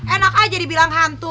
enak aja dibilang hantu